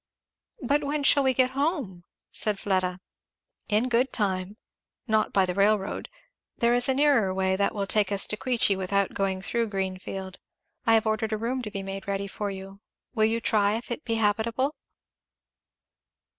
"But when shall we get home?" said Fleda. "In good time not by the railroad there is a nearer way that will take us to Queechy without going through Greenfield. I have ordered a room to be made ready for you will you try if it be habitable?"